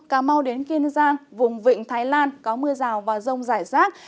cà mau đến kiên giang vùng vịnh thái lan có mưa rào và rông rải rác